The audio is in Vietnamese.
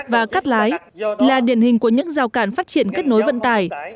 và cắt lái là điển hình của những giao cản phát triển kết nối vận tài